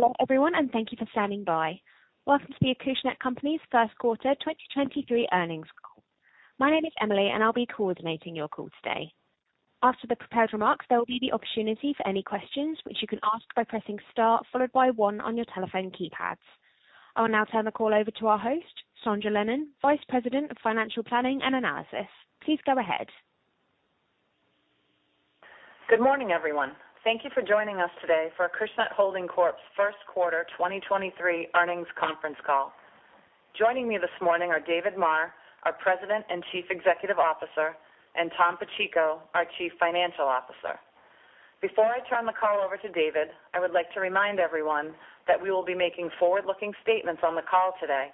Hello, everyone, thank you for standing by. Welcome to the Acushnet Companies first quarter 2023 earnings call. My name is Emily, I'll be coordinating your call today. After the prepared remarks, there will be the opportunity for any questions, which you can ask by pressing star followed by 1 on your telephone keypads. I will now turn the call over to our host, Sondra Lennon, Vice President of Financial Planning and Analysis. Please go ahead. Good morning, everyone. Thank you for joining us today for Acushnet Holdings Corp.'s first quarter 2023 earnings conference call. Joining me this morning are David Maher, our President and Chief Executive Officer, and Tom Pacheco, our Chief Financial Officer. Before I turn the call over to David, I would like to remind everyone that we will be making forward-looking statements on the call today.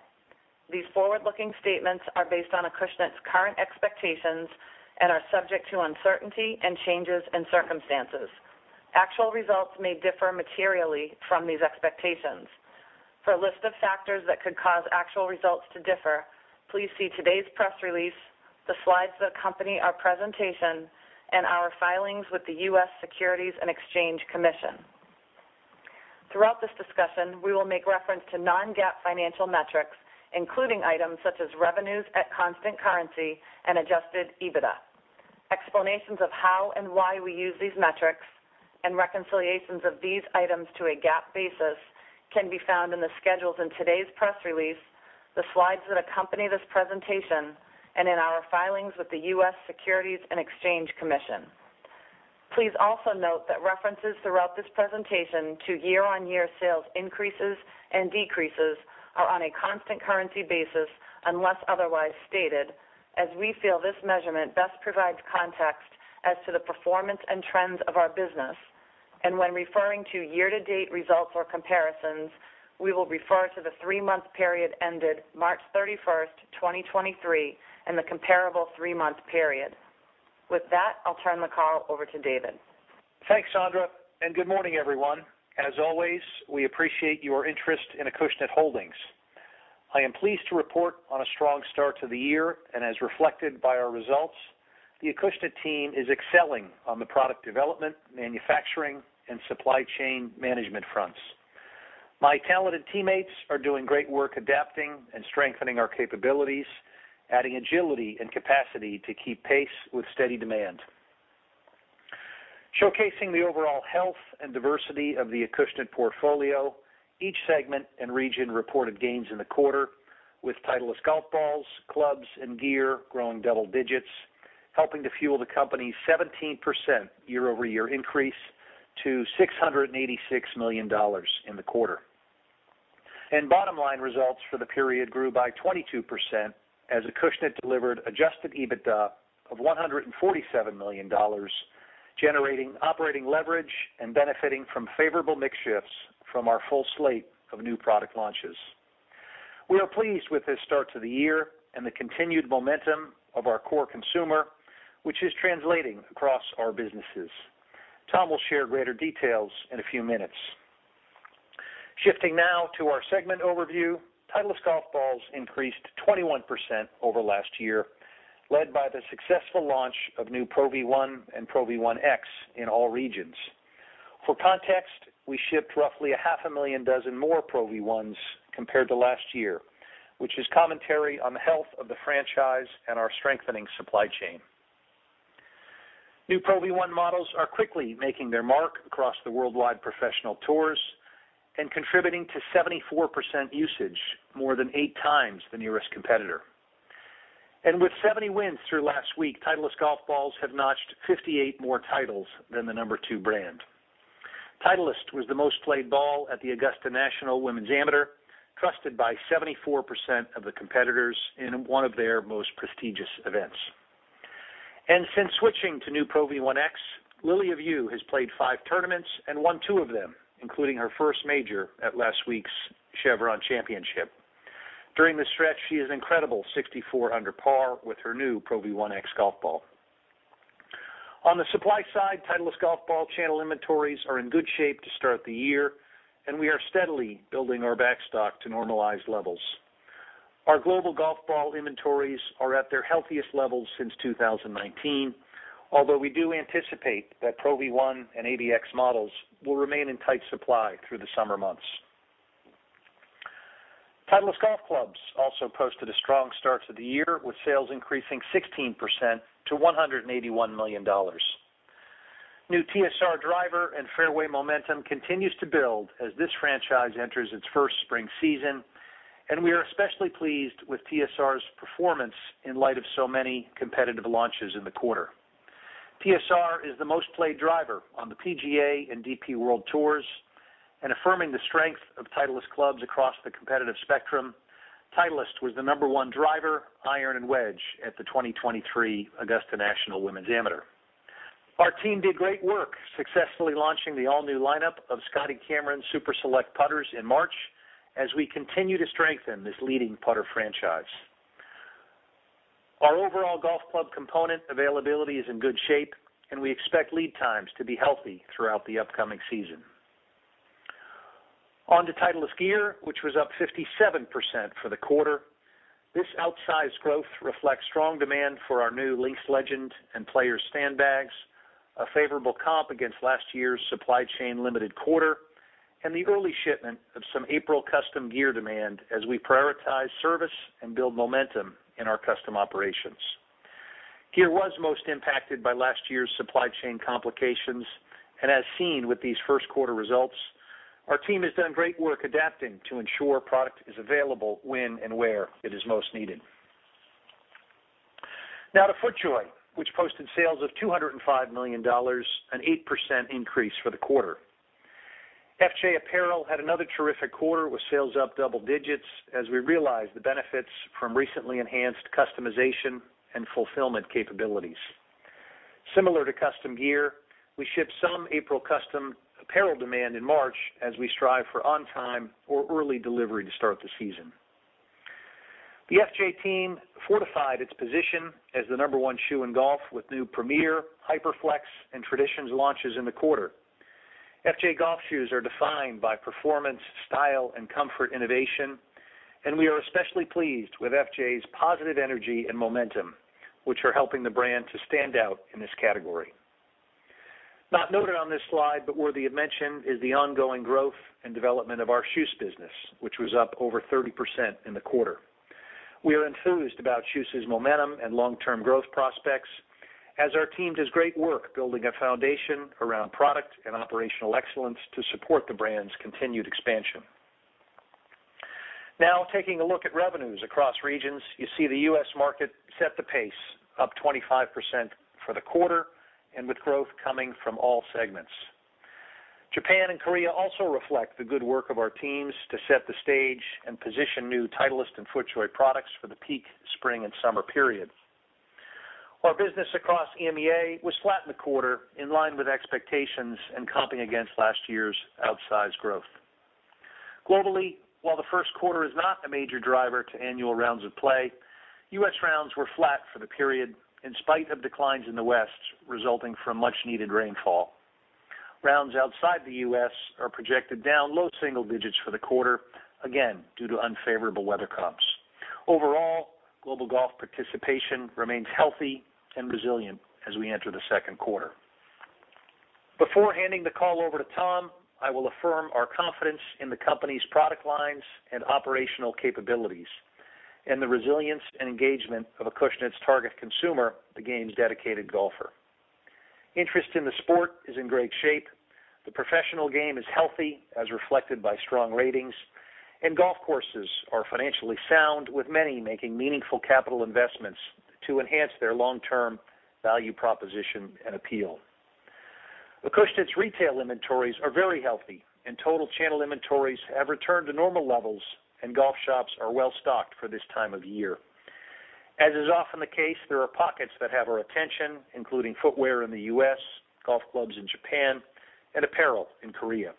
These forward-looking statements are based on Acushnet's current expectations and are subject to uncertainty and changes in circumstances. Actual results may differ materially from these expectations. For a list of factors that could cause actual results to differ, please see today's press release, the slides that accompany our presentation, and our filings with the U.S. Securities and Exchange Commission. Throughout this discussion, we will make reference to non-GAAP financial metrics, including items such as revenues at constant currency and adjusted EBITDA. Explanations of how and why we use these metrics and reconciliations of these items to a GAAP basis can be found in the schedules in today's press release, the slides that accompany this presentation, and in our filings with the U.S. Securities and Exchange Commission. Please also note that references throughout this presentation to year-on-year sales increases and decreases are on a constant currency basis unless otherwise stated, as we feel this measurement best provides context as to the performance and trends of our business. When referring to year-to-date results or comparisons, we will refer to the three-month period ended March 31st, 2023, and the comparable three-month period. With that, I'll turn the call over to David. Thanks, Sondra. Good morning, everyone. As always, we appreciate your interest in Acushnet Holdings. I am pleased to report on a strong start to the year, as reflected by our results, the Acushnet team is excelling on the product development, manufacturing, and supply chain management fronts. My talented teammates are doing great work adapting and strengthening our capabilities, adding agility and capacity to keep pace with steady demand. Showcasing the overall health and diversity of the Acushnet portfolio, each segment and region reported gains in the quarter, with Titleist golf balls, clubs, and gear growing double digits, helping to fuel the company 17% year-over-year increase to $686 million in the quarter. Bottom line results for the period grew by 22% as Acushnet delivered adjusted EBITDA of $147 million, generating operating leverage and benefiting from favorable mix shifts from our full slate of new product launches. We are pleased with this start to the year and the continued momentum of our core consumer, which is translating across our businesses. Tom will share greater details in a few minutes. Shifting now to our segment overview, Titleist golf balls increased 21% over last year, led by the successful launch of new Pro V1 and Pro V1x in all regions. For context, we shipped roughly a half a million dozen more Pro V1s compared to last year, which is commentary on the health of the franchise and our strengthening supply chain. New Pro V1 models are quickly making their mark across the worldwide professional tours and contributing to 74% usage, more than eight times the nearest competitor. With 70 wins through last week, Titleist golf balls have notched 58 more titles than the number two brand. Titleist was the most played ball at the Augusta National Women's Amateur, trusted by 74% of the competitors in one of their most prestigious events. Since switching to new Pro V1x, Lilia Vu has played 5 tournaments and won 2 of them, including her first major at last week's Chevron Championship. During the stretch, she is an incredible 64 under par with her new Pro V1x golf ball. On the supply side, Titleist golf ball channel inventories are in good shape to start the year, and we are steadily building our backstock to normalized levels. Our global golf ball inventories are at their healthiest levels since 2019, although we do anticipate that Pro V1 and AVX models will remain in tight supply through the summer months. Titleist golf clubs also posted a strong start to the year, with sales increasing 16% to $181 million. New TSR driver and fairway momentum continues to build as this franchise enters its first spring season. We are especially pleased with TSR's performance in light of so many competitive launches in the quarter. TSR is the most played driver on the PGA and DP World Tour and affirming the strength of Titleist clubs across the competitive spectrum. Titleist was the number one driver, iron, and wedge at the 2023 Augusta National Women's Amateur. Our team did great work successfully launching the all-new lineup of Scotty Cameron Super Select putters in March as we continue to strengthen this leading putter franchise. Our overall golf club component availability is in good shape, and we expect lead times to be healthy throughout the upcoming season. On to Titleist gear, which was up 57% for the quarter. This outsized growth reflects strong demand for our new Links Legend and Players stand bags, a favorable comp against last year's supply chain limited quarter, and the early shipment of some April custom gear demand as we prioritize service and build momentum in our custom operations. Gear was most impacted by last year's supply chain complications. As seen with these first quarter results, our team has done great work adapting to ensure product is available when and where it is most needed. To FootJoy, which posted sales of $205 million, an 8% increase for the quarter. FJ Apparel had another terrific quarter with sales up double digits as we realize the benefits from recently enhanced customization and fulfillment capabilities. Similar to custom gear, we ship some April custom apparel demand in March as we strive for on-time or early delivery to start the season. The FJ team fortified its position as the number 1 shoe in golf with new premier HyperFlex and Traditions launches in the quarter. FJ golf shoes are defined by performance, style and comfort innovation. We are especially pleased with FJ's positive energy and momentum, which are helping the brand to stand out in this category. Not noted on this slide, but worthy of mention is the ongoing growth and development of our Shoes business, which was up over 30% in the quarter. We are enthused about Shoes' momentum and long-term growth prospects as our team does great work building a foundation around product and operational excellence to support the brand's continued expansion. Taking a look at revenues across regions, you see the U.S. market set the pace up 25% for the quarter and with growth coming from all segments. Japan and Korea also reflect the good work of our teams to set the stage and position new Titleist and FootJoy products for the peak spring and summer period. Our business across EMEA was flat in the quarter, in line with expectations and comping against last year's outsized growth. Globally, while the first quarter is not a major driver to annual rounds of play, U.S. rounds were flat for the period in spite of declines in the West resulting from much-needed rainfall. Rounds outside the U.S. are projected down low single digits for the quarter, again due to unfavorable weather comps. Overall, global golf participation remains healthy and resilient as we enter the second quarter. Before handing the call over to Tom, I will affirm our confidence in the company's product lines and operational capabilities and the resilience and engagement of Acushnet's target consumer, the game's dedicated golfer. Interest in the sport is in great shape. The professional game is healthy, as reflected by strong ratings, and golf courses are financially sound, with many making meaningful capital investments to enhance their long-term value proposition and appeal. Acushnet's retail inventories are very healthy and total channel inventories have returned to normal levels and golf shops are well stocked for this time of year. As is often the case, there are pockets that have our attention, including footwear in the U.S., golf clubs in Japan, and apparel in Korea.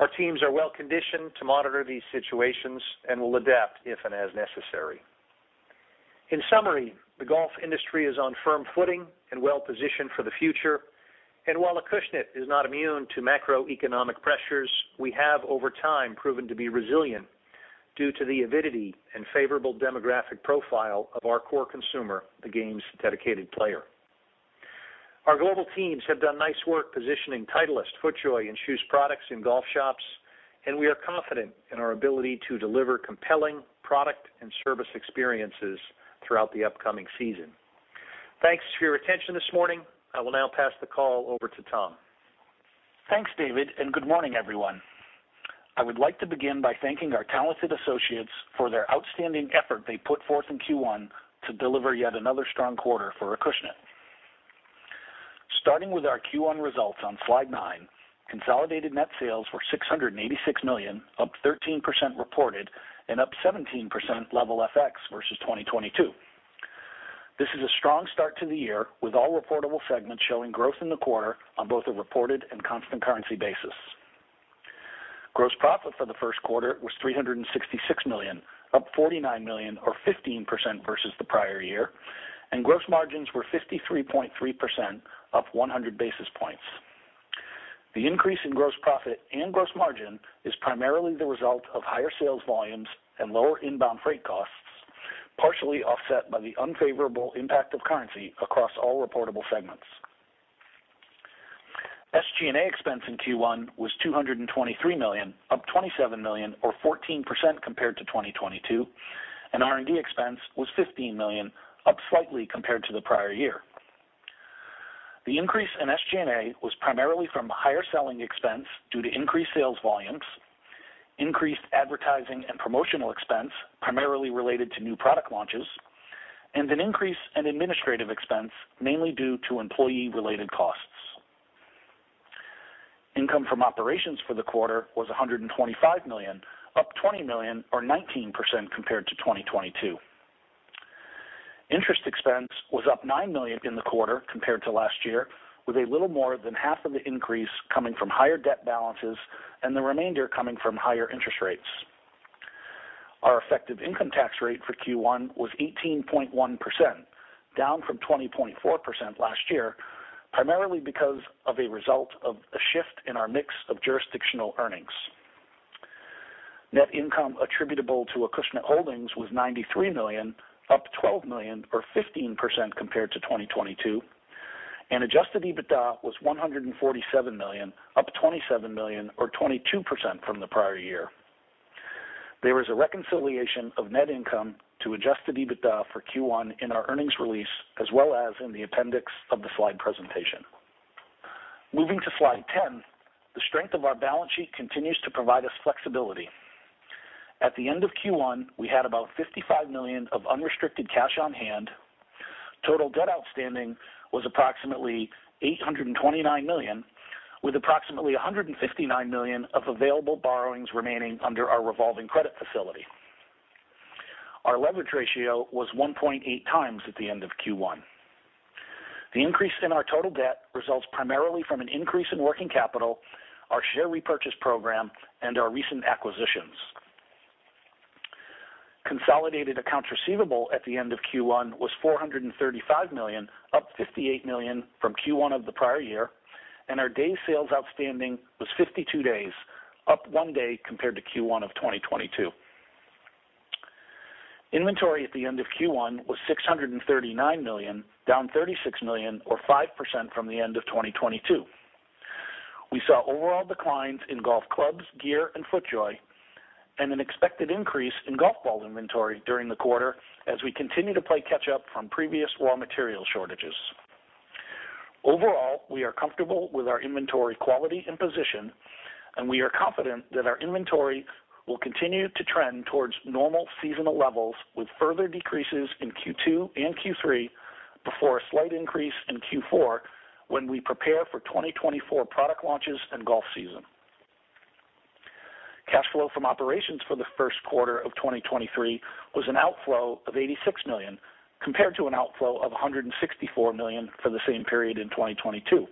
Our teams are well conditioned to monitor these situations and will adapt if and as necessary. In summary, the golf industry is on firm footing and well-positioned for the future. While Acushnet is not immune to macroeconomic pressures, we have over time proven to be resilient due to the avidity and favorable demographic profile of our core consumer, the game's dedicated player. Our global teams have done nice work positioning Titleist, FootJoy and Shoes products in golf shops, and we are confident in our ability to deliver compelling product and service experiences throughout the upcoming season. Thanks for your attention this morning. I will now pass the call over to Tom. Thanks, David. Good morning, everyone. I would like to begin by thanking our talented associates for their outstanding effort they put forth in Q1 to deliver yet another strong quarter for Acushnet. Starting with our Q1 results on slide 9, consolidated net sales were $686 million, up 13% reported and up 17% level FX versus 2022. This is a strong start to the year with all reportable segments showing growth in the quarter on both a reported and constant currency basis. Gross profit for the first quarter was $366 million, up $49 million or 15% versus the prior year. Gross margins were 53.3%, up 100 basis points. The increase in gross profit and gross margin is primarily the result of higher sales volumes and lower inbound freight costs, partially offset by the unfavorable impact of currency across all reportable segments. SG&A expense in Q1 was $223 million, up $27 million or 14% compared to 2022, and R&D expense was $15 million, up slightly compared to the prior year. The increase in SG&A was primarily from higher selling expense due to increased sales volumes, increased advertising and promotional expense primarily related to new product launches, and an increase in administrative expense, mainly due to employee-related costs. Income from operations for the quarter was $125 million, up $20 million or 19% compared to 2022. Interest expense was up $9 million in the quarter compared to last year, with a little more than half of the increase coming from higher debt balances and the remainder coming from higher interest rates. Our effective income tax rate for Q1 was 18.1%. Down from 20.4% last year, primarily because of a result of a shift in our mix of jurisdictional earnings. Net income attributable to Acushnet Holdings was $93 million, up $12 million or 15% compared to 2022. Adjusted EBITDA was $147 million, up $27 million or 22% from the prior year. There was a reconciliation of net income to adjusted EBITDA for Q1 in our earnings release as well as in the appendix of the slide presentation. Moving to slide 10, the strength of our balance sheet continues to provide us flexibility. At the end of Q1, we had about $55 million of unrestricted cash on hand. Total debt outstanding was approximately $829 million, with approximately $159 million of available borrowings remaining under our revolving credit facility. Our leverage ratio was 1.8x at the end of Q1. The increase in our total debt results primarily from an increase in working capital, our share repurchase program, and our recent acquisitions. Consolidated accounts receivable at the end of Q1 was $435 million, up $58 million from Q1 of the prior year, and our day sales outstanding was 52 days, up 1 day compared to Q1 of 2022. Inventory at the end of Q1 was $639 million, down $36 million or 5% from the end of 2022. We saw overall declines in golf clubs, gear, and FootJoy, and an expected increase in golf ball inventory during the quarter as we continue to play catch up from previous raw material shortages. Overall, we are comfortable with our inventory quality and position, and we are confident that our inventory will continue to trend towards normal seasonal levels with further decreases in Q2 and Q3 before a slight increase in Q4 when we prepare for 2024 product launches and golf season. Cash flow from operations for the first quarter of 2023 was an outflow of $86 million, compared to an outflow of $164 million for the same period in 2022.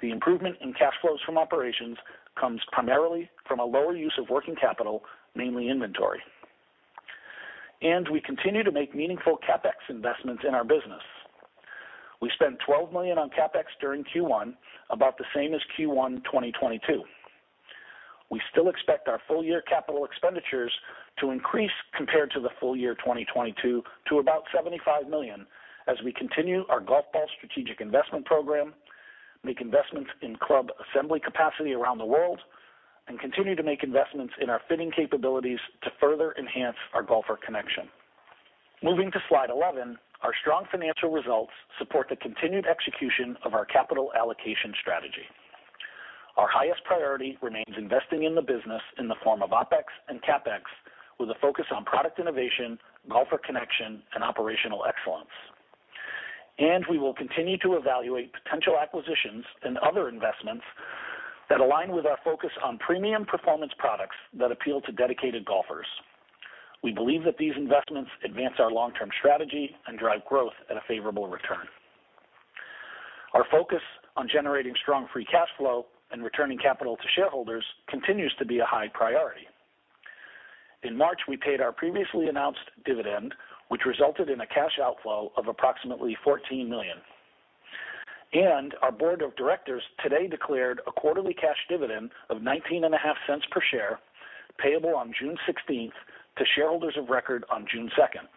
The improvement in cash flows from operations comes primarily from a lower use of working capital, mainly inventory. We continue to make meaningful CapEx investments in our business. We spent $12 million on CapEx during Q1, about the same as Q1 2022. We still expect our full year capital expenditures to increase compared to the full year 2022 to about $75 million as we continue our golf ball strategic investment program, make investments in club assembly capacity around the world, and continue to make investments in our fitting capabilities to further enhance our golfer connection. Moving to slide 11, our strong financial results support the continued execution of our capital allocation strategy. Our highest priority remains investing in the business in the form of OpEx and CapEx, with a focus on product innovation, golfer connection and operational excellence. We will continue to evaluate potential acquisitions and other investments that align with our focus on premium performance products that appeal to dedicated golfers. We believe that these investments advance our long-term strategy and drive growth at a favorable return. Our focus on generating strong free cash flow and returning capital to shareholders continues to be a high priority. In March, we paid our previously announced dividend, which resulted in a cash outflow of approximately $14 million. Our board of directors today declared a quarterly cash dividend of $0.195 per share, payable on June 16th to shareholders of record on June 2nd.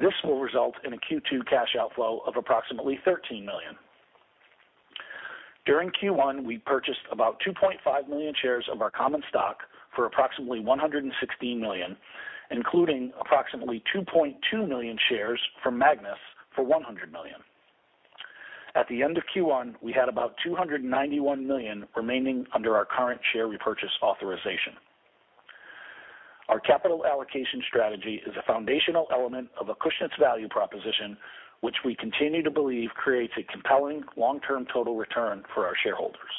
This will result in a Q2 cash outflow of approximately $13 million. During Q1, we purchased about 2.5 million shares of our common stock for approximately $116 million, including approximately 2.2 million shares from Magnus for $100 million. At the end of Q1, we had about $291 million remaining under our current share repurchase authorization. Our capital allocation strategy is a foundational element of Acushnet's value proposition, which we continue to believe creates a compelling long-term total return for our shareholders.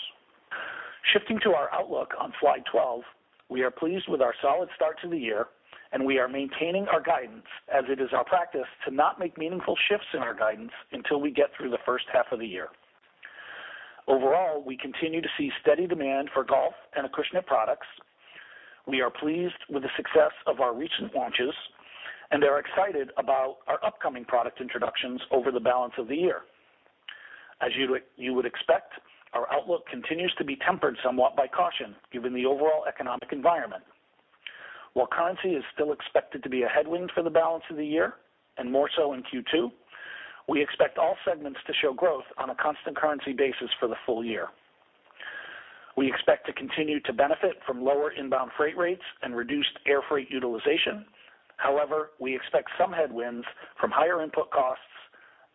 Shifting to our outlook on slide 12, we are pleased with our solid start to the year, and we are maintaining our guidance as it is our practice to not make meaningful shifts in our guidance until we get through the first half of the year. Overall, we continue to see steady demand for golf and Acushnet products. We are pleased with the success of our recent launches and are excited about our upcoming product introductions over the balance of the year. As you would expect, our outlook continues to be tempered somewhat by caution, given the overall economic environment. While currency is still expected to be a headwind for the balance of the year, and more so in Q2, we expect all segments to show growth on a constant currency basis for the full year. We expect to continue to benefit from lower inbound freight rates and reduced air freight utilization. We expect some headwinds from higher input costs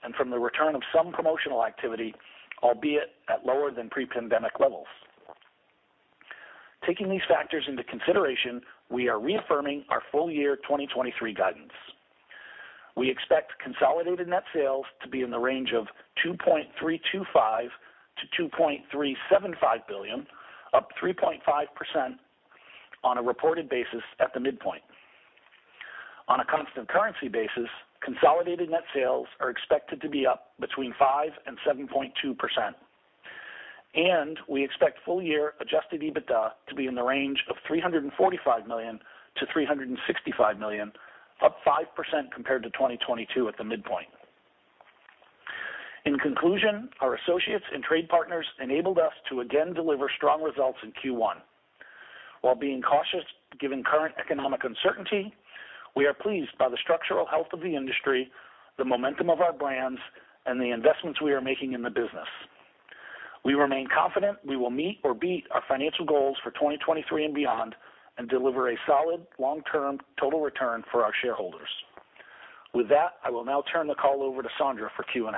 and from the return of some promotional activity, albeit at lower than pre-pandemic levels. Taking these factors into consideration, we are reaffirming our full year 2023 guidance. We expect consolidated net sales to be in the range of $2.325 billion-$2.375 billion, up 3.5% on a reported basis at the midpoint. On a constant currency basis, consolidated net sales are expected to be up between 5% and 7.2%. We expect full year adjusted EBITDA to be in the range of $345 million-$365 million, up 5% compared to 2022 at the midpoint. In conclusion, our associates and trade partners enabled us to again deliver strong results in Q1. While being cautious given current economic uncertainty, we are pleased by the structural health of the industry, the momentum of our brands, and the investments we are making in the business. We remain confident we will meet or beat our financial goals for 2023 and beyond and deliver a solid long-term total return for our shareholders. With that, I will now turn the call over to Sondra for Q&A.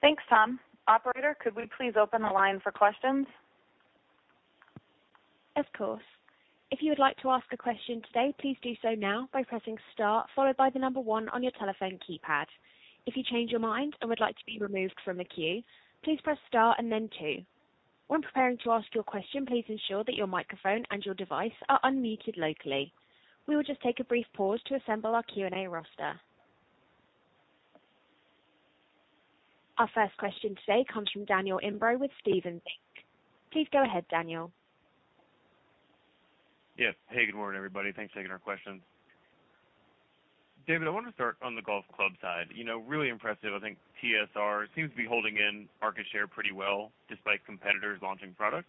Thanks, Tom. Operator, could we please open the line for questions? Of course. If you would like to ask a question today, please do so now by pressing star followed by 1 on your telephone keypad. If you change your mind and would like to be removed from the queue, please press star and then 2. When preparing to ask your question, please ensure that your microphone and your device are unmuted locally. We will just take a brief pause to assemble our Q&A roster. Our first question today comes from Daniel Imbro with Stephens. Please go ahead, Daniel. Yes. Hey, good morning, everybody. Thanks for taking our questions. David, I want to start on the golf club side. You know, really impressive, I think, TSR seems to be holding in market share pretty well despite competitors launching product.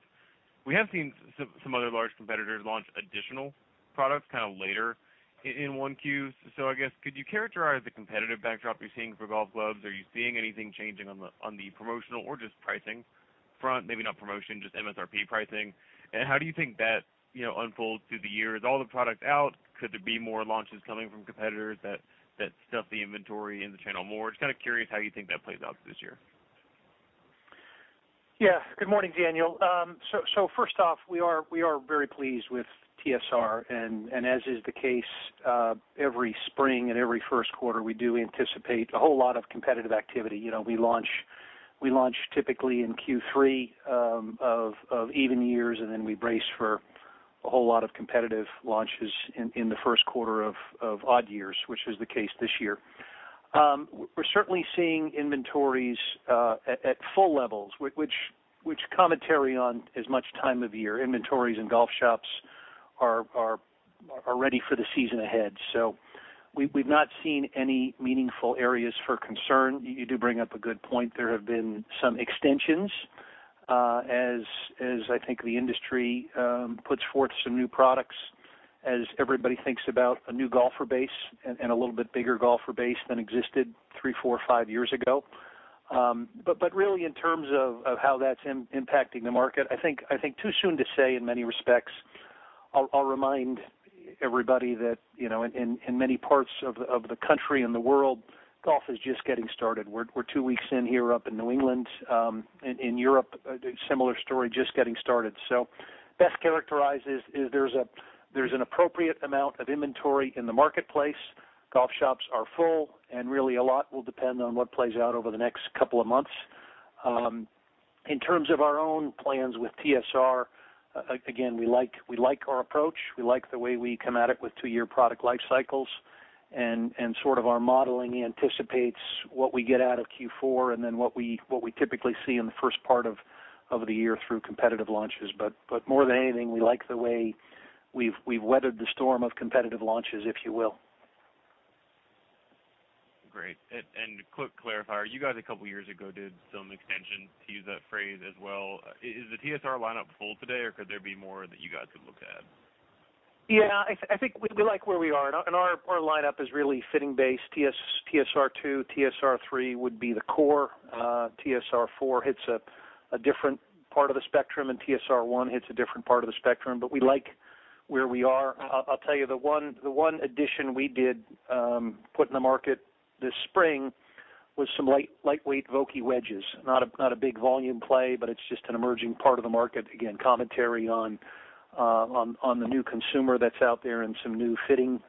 We have seen some other large competitors launch additional products kind of later in 1Q. I guess, could you characterize the competitive backdrop you're seeing for golf clubs? Are you seeing anything changing on the promotional or just pricing front? Maybe not promotion, just MSRP pricing. How do you think that, you know, unfolds through the year? Is all the product out? Could there be more launches coming from competitors that stuff the inventory in the channel more? Just kind of curious how you think that plays out this year. Good morning, Daniel. So first off, we are very pleased with TSR, and as is the case, every spring and every first quarter, we do anticipate a whole lot of competitive activity. You know, we launch typically in Q3 of even years, then we brace for a whole lot of competitive launches in the first quarter of odd years, which was the case this year. We're certainly seeing inventories at full levels, which commentary on as much time of year inventories and golf shops are ready for the season ahead. We've not seen any meaningful areas for concern. You do bring up a good point. There have been some extensions, as I think the industry puts forth some new products as everybody thinks about a new golfer base and a little bit bigger golfer base than existed 3, 4, 5 years ago. But really in terms of how that's impacting the market, I think too soon to say in many respects. I'll remind everybody that, you know, in many parts of the country and the world, golf is just getting started. We're 2 weeks in here up in New England, in Europe, similar story, just getting started. Best characterized is there's an appropriate amount of inventory in the marketplace. Golf shops are full, and really a lot will depend on what plays out over the next couple of months. In terms of our own plans with TSR, we like, we like our approach. We like the way we come at it with two-year product life cycles, and sort of our modeling anticipates what we get out of Q4 and then what we typically see in the first part of the year through competitive launches. More than anything, we like the way we've weathered the storm of competitive launches, if you will. Great. Quick clarifier, you guys a couple years ago did some extension, to use that phrase as well. Is the TSR lineup full today, or could there be more that you guys could look at? Yeah. I think we like where we are. Our, our lineup is really fitting based. TSR2, TSR3 would be the core. TSR4 hits a different part of the spectrum, and TSR1 hits a different part of the spectrum, but we like where we are. I'll tell you the one, the one addition we did, put in the market this spring was some lightweight Vokey wedges, not a big volume play, but it's just an emerging part of the market. Commentary on the new consumer that's out there and some new fitting,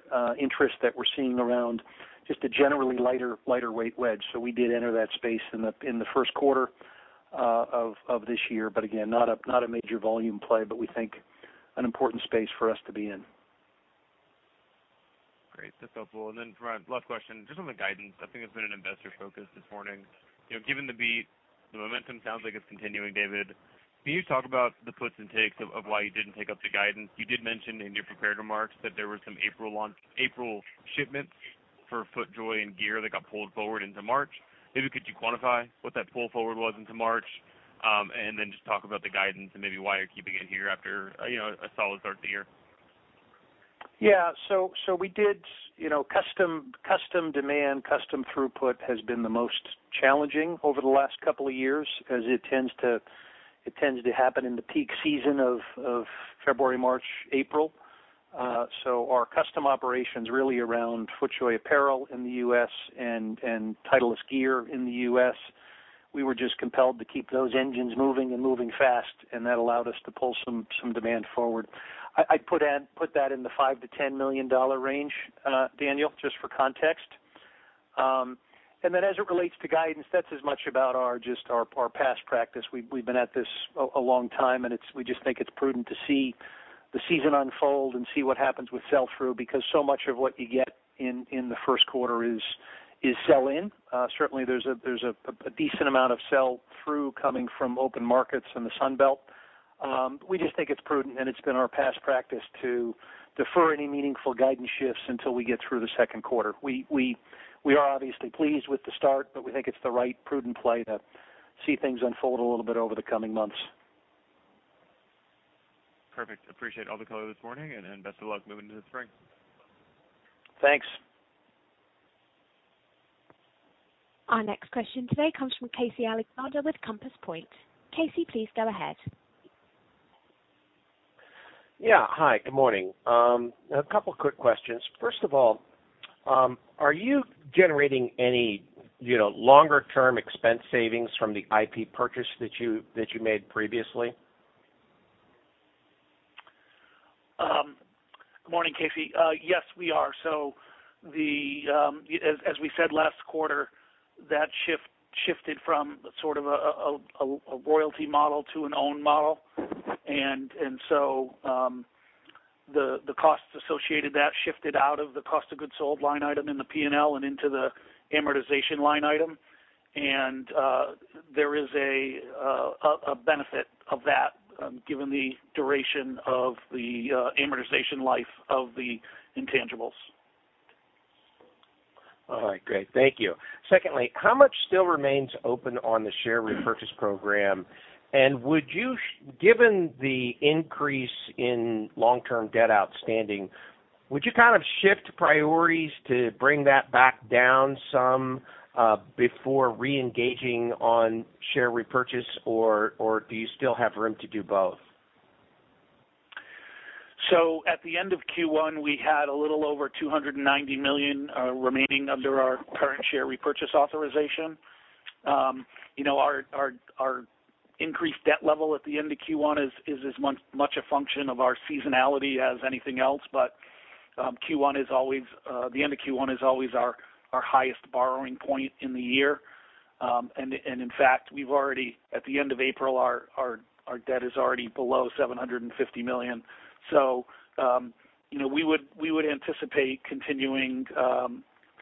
interest that we're seeing around just a generally lighter weight wedge. We did enter that space in the first quarter of this year, but again, not a major volume play, but we think an important space for us to be in. Great. That's helpful. For my last question, just on the guidance, I think it's been an investor focus this morning. You know, given the beat, the momentum sounds like it's continuing, David. Can you talk about the puts and takes of why you didn't take up the guidance? You did mention in your prepared remarks that there were some April shipments for FootJoy and gear that got pulled forward into March. Maybe could you quantify what that pull forward was into March, and then just talk about the guidance and maybe why you're keeping it here after, you know, a solid start to the year? Yeah. We did, you know, custom demand, custom throughput has been the most challenging over the last couple of years as it tends to happen in the peak season of February, March, April. Our custom operations really around FootJoy apparel in the U.S. and Titleist gear in the U.S., we were just compelled to keep those engines moving and moving fast, and that allowed us to pull some demand forward. I'd put that in the $5 million-$10 million range, Daniel, just for context. As it relates to guidance, that's as much about our past practice. We've been at this a long time, we just think it's prudent to see the season unfold and see what happens with sell-through, because so much of what you get in the first quarter is sell-in. Certainly, there's a decent amount of sell-through coming from open markets in the Sun Belt. We just think it's prudent, it's been our past practice to defer any meaningful guidance shifts until we get through the second quarter. We are obviously pleased with the start, we think it's the right prudent play to see things unfold a little bit over the coming months. Perfect. Appreciate all the color this morning, and best of luck moving into the spring. Thanks. Our next question today comes from Casey Alexander with Compass Point. Casey, please go ahead. Yeah. Hi, good morning. A couple quick questions. First of all, are you generating any, you know, longer term expense savings from the IP purchase that you made previously? Good morning, Casey. Yes, we are. As we said last quarter, that shift shifted from sort of a royalty model to an own model. The costs associated, that shifted out of the cost of goods sold line item in the P&L and into the amortization line item. There is a benefit of that, given the duration of the amortization life of the intangibles. All right, great. Thank you. Secondly, how much still remains open on the share repurchase program? Would you given the increase in long-term debt outstanding, would you kind of shift priorities to bring that back down some before reengaging on share repurchase, or do you still have room to do both? At the end of Q1, we had a little over $290 million remaining under our current share repurchase authorization. You know, our increased debt level at the end of Q1 is as much a function of our seasonality as anything else. Q1 is always the end of Q1 is always our highest borrowing point in the year. And in fact, we've already at the end of April, our debt is already below $750 million. You know, we would anticipate continuing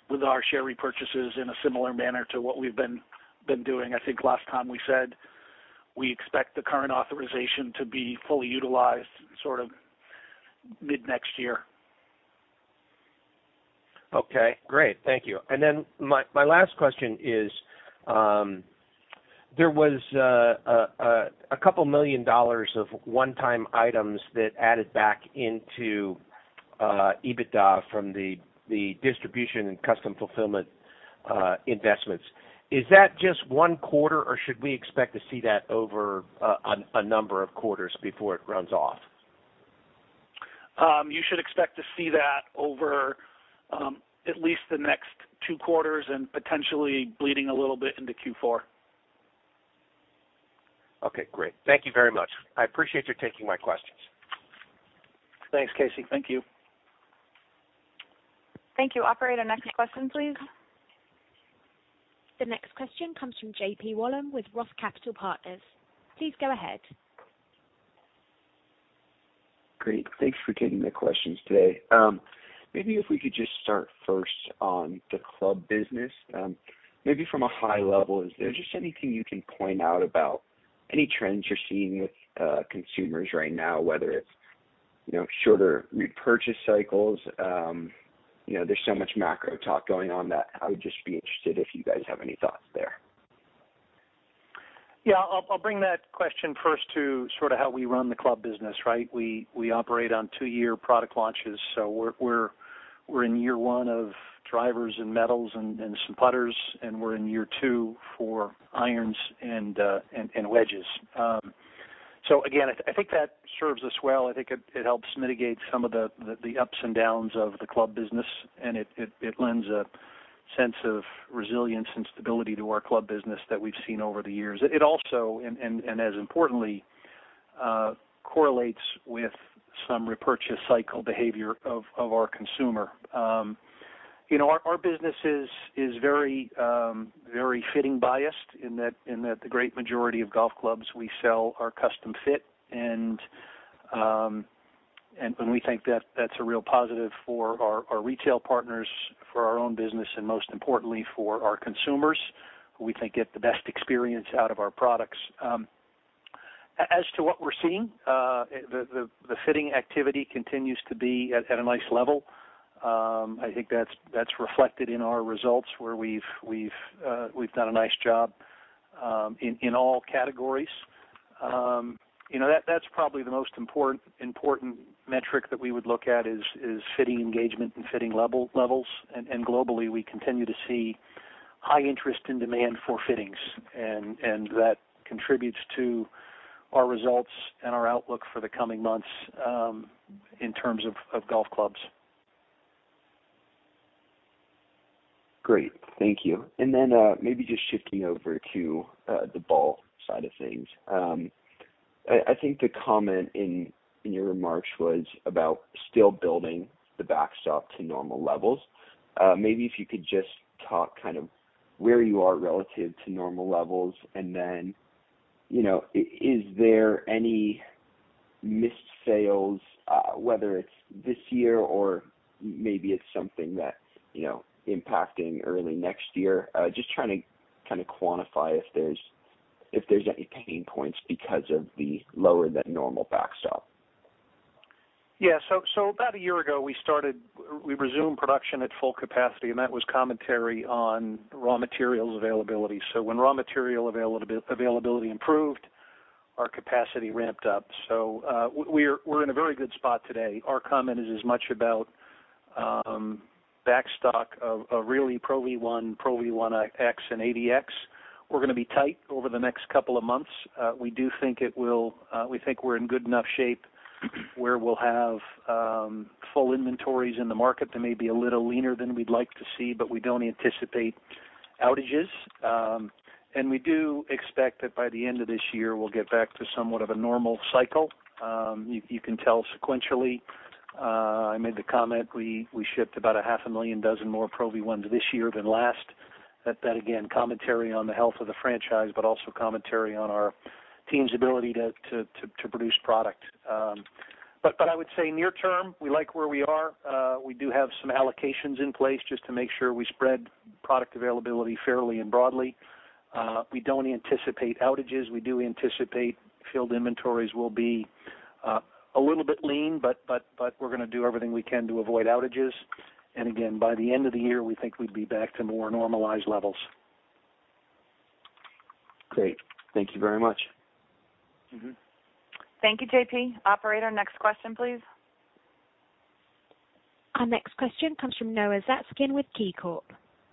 with our share repurchases in a similar manner to what we've been doing. I think last time we said we expect the current authorization to be fully utilized sort of mid-next year. Okay, great. Thank you. My last question is, there was a $2 million of one-time items that added back into EBITDA from the distribution and custom fulfillment investments. Is that just 1 quarter, or should we expect to see that over a number of quarters before it runs off? You should expect to see that over, at least the next 2 quarters and potentially bleeding a little bit into Q4. Okay, great. Thank you very much. I appreciate you taking my questions. Thanks, Casey. Thank you. Thank you. Operator, next question, please. The next question comes from JP Wollam with ROTH Capital Partners. Please go ahead. Great. Thanks for taking the questions today. Maybe if we could just start first on the club business. Maybe from a high level, is there just anything you can point out about any trends you're seeing with consumers right now, whether it's, you know, shorter repurchase cycles? You know, there's so much macro talk going on that I would just be interested if you guys have any thoughts there. Yeah. I'll bring that question first to sort of how we run the club business, right? We operate on 2-year product launches. We're in year 1 of drivers and metals and some putters, and we're in year 2 for irons and wedges. Again, I think that serves us well. I think it helps mitigate some of the ups and downs of the club business, and it lends a sense of resilience and stability to our club business that we've seen over the years. It also, and as importantly, correlates with some repurchase cycle behavior of our consumer. You know, our business is very fitting biased in that the great majority of golf clubs we sell are custom fit. We think that that's a real positive for our retail partners, for our own business, and most importantly, for our consumers, who we think get the best experience out of our products. As to what we're seeing, the fitting activity continues to be at a nice level. I think that's reflected in our results, where we've done a nice job, in all categories. You know, that's probably the most important metric that we would look at is fitting engagement and fitting levels. Globally, we continue to see high interest and demand for fittings, and that contributes to our results and our outlook for the coming months, in terms of golf clubs. Great. Thank you. maybe just shifting over to the ball side of things. I think the comment in your remarks was about still building the backstop to normal levels. maybe if you could just talk kind of where you are relative to normal levels, and then, you know, is there any missed sales, whether it's this year or maybe it's something that's, you know, impacting early next year? just trying to kinda quantify if there's any pain points because of the lower than normal backstop. Yeah. About a year ago, we resumed production at full capacity, and that was commentary on raw materials availability. When raw material availability improved, our capacity ramped up. We're in a very good spot today. Our comment is as much about backstock of really Pro V1, Pro V1x and AVX. We're gonna be tight over the next couple of months. We do think we're in good enough shape where we'll have full inventories in the market that may be a little leaner than we'd like to see, but we don't anticipate outages. We do expect that by the end of this year, we'll get back to somewhat of a normal cycle. You can tell sequentially, I made the comment, we shipped about a half a million dozen more Pro V1 this year than last. That again, commentary on the health of the franchise, but also commentary on our team's ability to produce product.I would say near term, we like where we are. We do have some allocations in place just to make sure we spread product availability fairly and broadly. We don't anticipate outages. We do anticipate field inventories will be a little bit lean, but we're gonna do everything we can to avoid outages. Again, by the end of the year, we think we'd be back to more normalized levels. Great. Thank you very much. Mm-hmm. Thank you, JP. Operator, next question, please. Our next question comes from Noah Zatzkin with KeyBanc.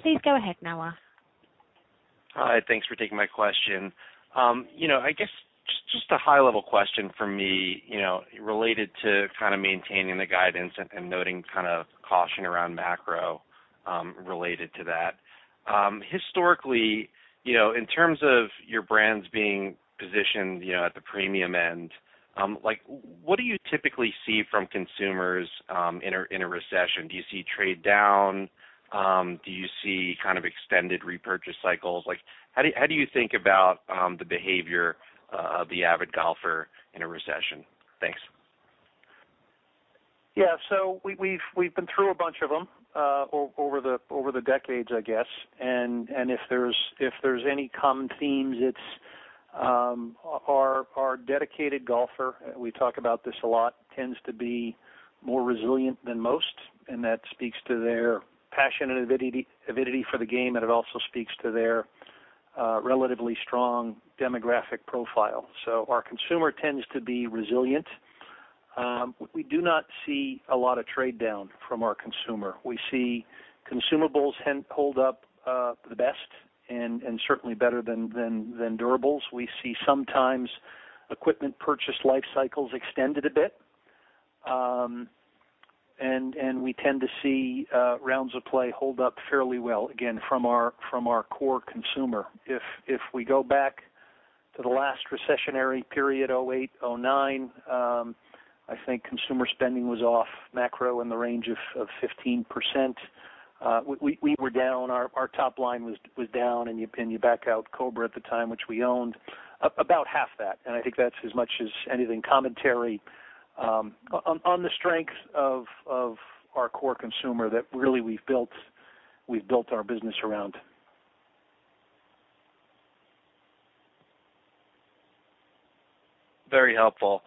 Please go ahead, Noah. Hi. Thanks for taking my question. You know, I guess just a high level question from me, you know, related to kinda maintaining the guidance and noting kinda caution around macro, related to that. Historically, you know, in terms of your brands being positioned, you know, at the premium end, like what do you typically see from consumers, in a, in a recession? Do you see trade down? Do you see kind of extended repurchase cycles? Like how do you think about, the behavior, of the avid golfer in a recession? Thanks. Yeah. We've been through a bunch of them over the decades, I guess. If there's any common themes, it's our dedicated golfer, we talk about this a lot, tends to be more resilient than most, and that speaks to their passion and avidity for the game, and it also speaks to their relatively strong demographic profile. Our consumer tends to be resilient. We do not see a lot of trade down from our consumer. We see consumables tend-- hold up the best and certainly better than durables. We see sometimes equipment purchase life cycles extended a bit. And we tend to see rounds of play hold up fairly well, again, from our core consumer. If we go back to the last recessionary period, 2008, 2009, I think consumer spending was off macro in the range of 15%. We were down. Our top line was down, you back out Cobra at the time, which we owned, about half that. I think that's as much as anything commentary on the strength of our core consumer that really we've built our business around. Very helpful.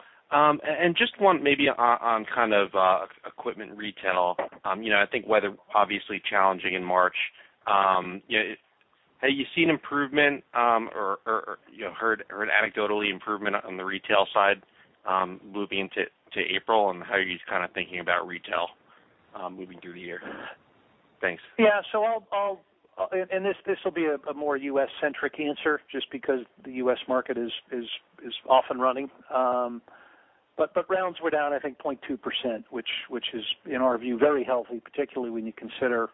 Just one maybe on kind of equipment retail. You know, I think weather obviously challenging in March. You know, have you seen improvement, or, you know, heard anecdotally improvement on the retail side, moving into April, and how are you kind of thinking about retail, moving through the year? Thanks. Yeah. I'll. This will be a more U.S.-centric answer just because the U.S. market is off and running. Rounds were down, I think, 0.2%, which is, in our view, very healthy, particularly when you consider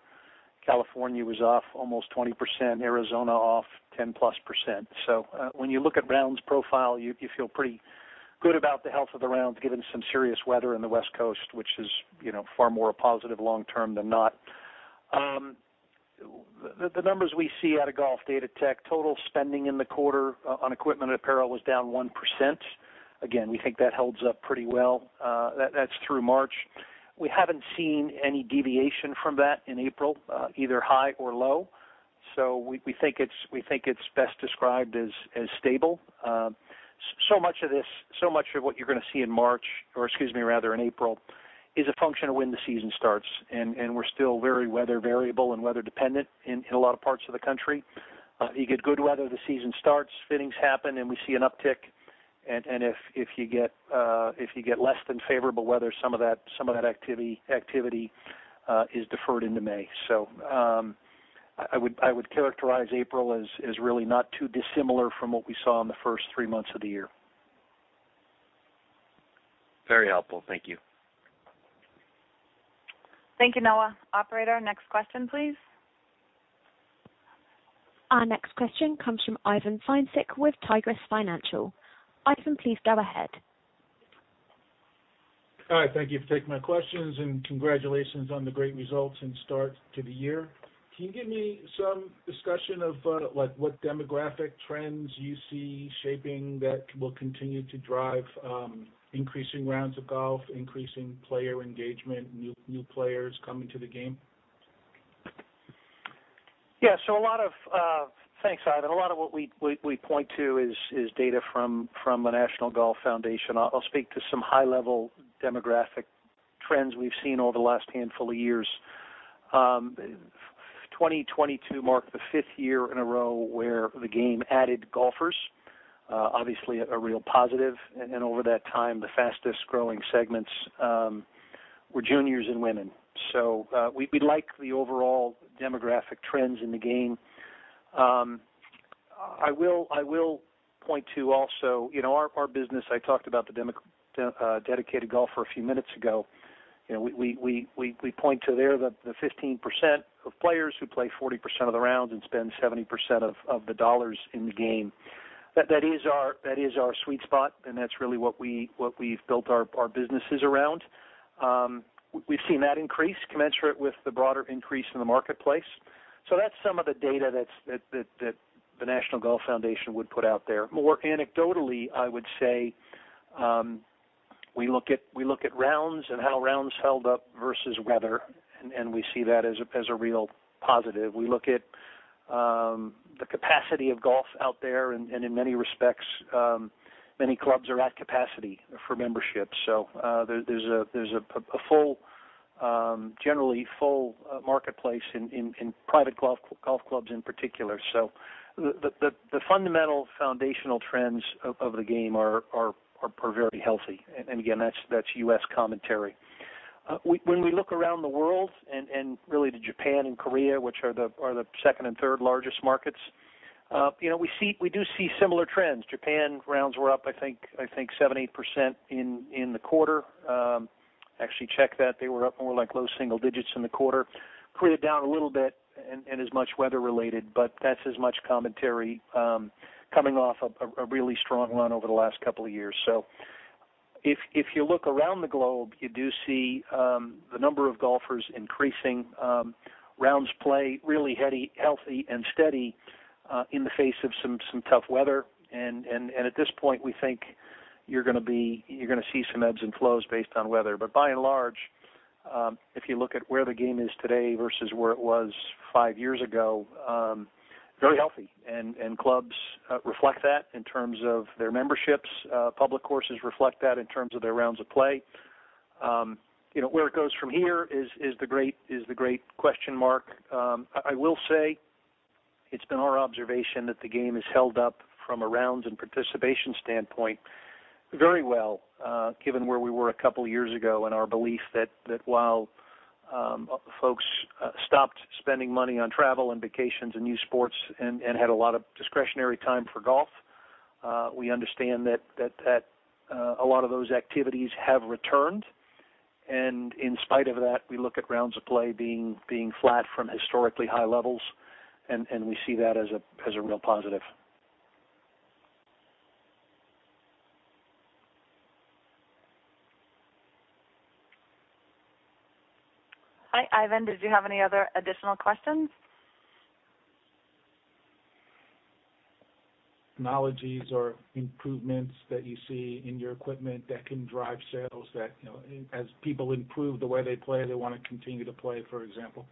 California was off almost 20%, Arizona off 10+%. When you look at rounds profile, you feel pretty good about the health of the rounds given some serious weather in the West Coast, which is, you know, far more a positive long term than not. The numbers we see out of Golf Datatech, total spending in the quarter on equipment apparel was down 1%. Again, we think that holds up pretty well. That's through March. We haven't seen any deviation from that in April, either high or low. We think it's best described as stable. So much of this, so much of what you're gonna see in March, or excuse me, rather in April, is a function of when the season starts, and we're still very weather variable and weather dependent in a lot of parts of the country. You get good weather, the season starts, fittings happen, and we see an uptick. If you get less than favorable weather, some of that, some of that activity, is deferred into May. I would characterize April as really not too dissimilar from what we saw in the first three months of the year. Very helpful. Thank you. Thank you, Noah. Operator, next question, please. Our next question comes from Ivan Feinsilber with Tigress Financial. Ivan, please go ahead. All right. Thank you for taking my questions. Congratulations on the great results and start to the year. Can you give me some discussion of, like, what demographic trends you see shaping that will continue to drive, increasing rounds of golf, increasing player engagement, new players coming to the game? Yeah. Thanks, Ivan. A lot of what we point to is data from the National Golf Foundation. I'll speak to some high level demographic trends we've seen over the last handful of years. 2022 marked the 5th year in a row where the game added golfers, obviously a real positive. Over that time, the fastest growing segments were juniors and women. We like the overall demographic trends in the game. I will point to also, you know, our business, I talked about the dedicated golfer a few minutes ago. You know, we point to there the 15% of players who play 40% of the rounds and spend 70% of the dollars in the game. That is our sweet spot, and that's really what we've built our businesses around. We've seen that increase commensurate with the broader increase in the marketplace. That's some of the data that the National Golf Foundation would put out there. More anecdotally, I would say, we look at rounds and how rounds held up versus weather, and we see that as a real positive. We look at the capacity of golf out there, and in many respects, many clubs are at capacity for membership. There's a full, generally full, marketplace in private golf clubs in particular. The fundamental foundational trends of the game are very healthy. Again, that's U.S. commentary. When we look around the world and really to Japan and Korea, which are the second and third largest markets, you know, we see, we do see similar trends. Japan rounds were up, I think, 7-8% in the quarter. Actually check that they were up more like low single digits in the quarter. Korea down a little bit and as much weather related, but that's as much commentary, coming off a really strong run over the last couple of years. If you look around the globe, you do see the number of golfers increasing, rounds play really heady, healthy and steady, in the face of some tough weather. At this point, we think you're gonna be... You're gonna see some ebbs and flows based on weather. By and large, if you look at where the game is today versus where it was five years ago, very healthy. Clubs reflect that in terms of their memberships. Public courses reflect that in terms of their rounds of play. You know, where it goes from here is the great question mark. I will say it's been our observation that the game has held up from a rounds and participation standpoint very well, given where we were a couple years ago, and our belief that while folks stopped spending money on travel and vacations and new sports and had a lot of discretionary time for golf, we understand that a lot of those activities have returned. In spite of that, we look at rounds of play being flat from historically high levels, and we see that as a real positive. Hi, Ivan, did you have any other additional questions? Technologies or improvements that you see in your equipment that can drive sales that, you know, as people improve the way they play, they wanna continue to play, for example.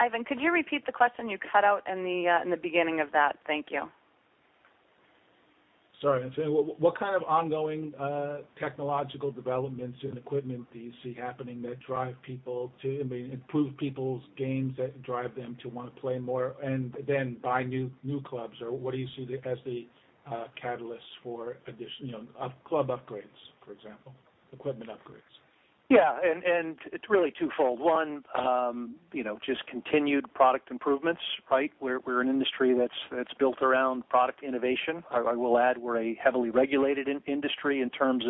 Ivan, could you repeat the question? You cut out in the beginning of that. Thank you. Sorry. What kind of ongoing technological developments in equipment do you see happening that drive people to, I mean, improve people's games, that drive them to wanna play more and then buy new clubs? What do you see as the catalyst for you know, club upgrades, for example, equipment upgrades? Yeah. It's really twofold. One, you know, just continued product improvements, right? We're an industry that's built around product innovation. I will add we're a heavily regulated industry in terms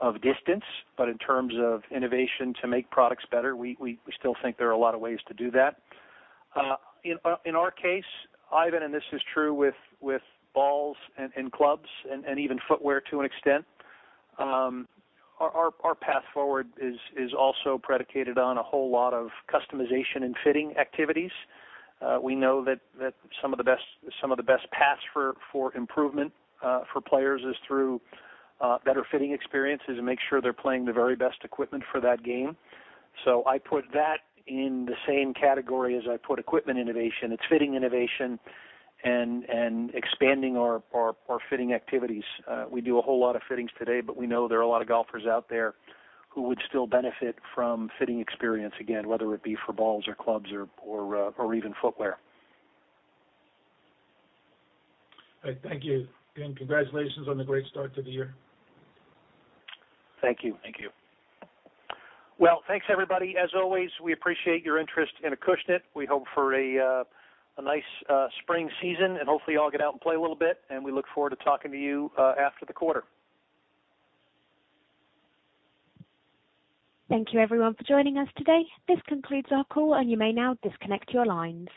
of distance, but in terms of innovation to make products better, we still think there are a lot of ways to do that. In our case, Ivan, and this is true with balls and clubs and even footwear to an extent, our path forward is also predicated on a whole lot of customization and fitting activities. We know that some of the best paths for improvement for players is through better fitting experiences and make sure they're playing the very best equipment for that game. I put that in the same category as I put equipment innovation. It's fitting innovation and expanding our fitting activities. We do a whole lot of fittings today, but we know there are a lot of golfers out there who would still benefit from fitting experience again, whether it be for balls or clubs or even footwear. All right. Thank you. Again, congratulations on the great start to the year. Thank you. Thank you. Thanks, everybody. As always, we appreciate your interest in Acushnet. We hope for a nice spring season, and hopefully you all get out and play a little bit, and we look forward to talking to you after the quarter. Thank you everyone for joining us today. This concludes our call, and you may now disconnect your lines.